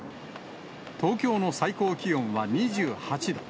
東京の最高気温は２８度。